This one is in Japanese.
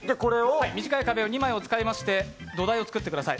短い壁２枚を使いまして土台を作ってください。